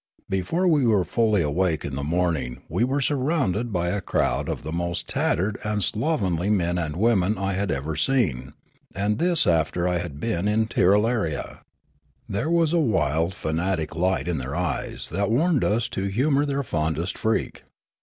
Before we were fully awake in the morning we were surrounded by a crowd of the most tattered and slovenly men and women I had ever seen, and this after I had been in Tirralaria. There w'as a wild, fanatic light in their ej es that warned us to humour their fondest freak.